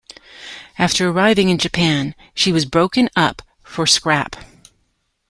After arriving in Japan, she was broken up for scrap.